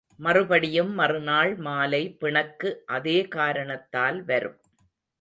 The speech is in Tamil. மறுபடியும் மறுநாள் மாலை பிணக்கு அதே காரணத்தால் வரும்.